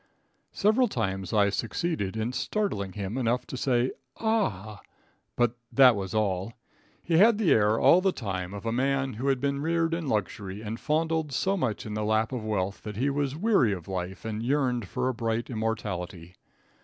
Several times I succeeded in startling him enough to say "Ah!" but that was all. He had the air all the time of a man who had been reared in luxury and fondled so much in the lap of wealth that he was weary of life, and yearned for a bright immortality.